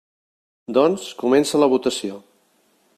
Doncs, comença la votació.